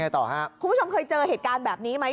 คุณผู้ชมเคยเจอเหตุการณ์แบบนี้ไหม